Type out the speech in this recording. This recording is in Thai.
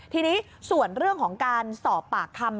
ทีนี้ส่วนเรื่องของการสอบปากคำ